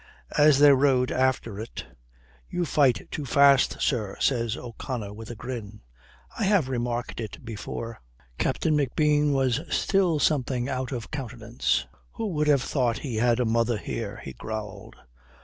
As they rode after it, "You fight too fast, sir," says O'Connor with a grin. "I have remarked it before." Captain McBean 'was still something out of countenance. "Who would have thought he had a mother here?" he growled.